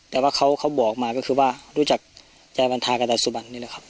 แต่ว่าเขาบอกมาก็คือว่ารู้จักยายวันทากับดาสุบันนี่แหละครับ